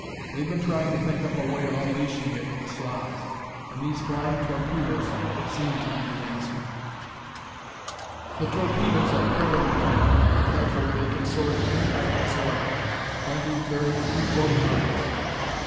They've been trying to think up a way of unleashing it at the Slavs. And these flying torpedoes seem to be the answer. "The torpedoes are purely mechanical. Therefore, they can soar to any height whatsoever. Twenty, thirty, even forty miles.